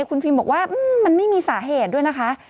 คุณฟิล์มบอกว่ามันไม่มีสาเหตุด้วยนะคะ